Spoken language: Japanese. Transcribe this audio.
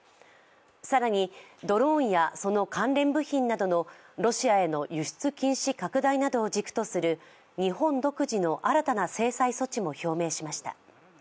更に、ドローンやその関連部品などのロシアへの輸出禁止拡大などを軸とする日本独自の新たな制裁措置も表明しました。